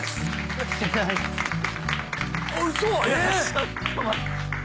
ちょっと待っ。